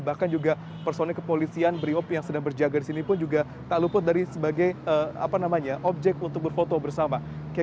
bahkan juga personik kepolisian yang sedang berjaga di sini pun juga tak lupa sebagai objek untuk berfoto bersama